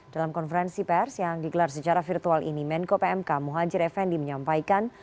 dalam konferensi pers yang digelar secara virtual ini menko pmk muhajir effendi menyampaikan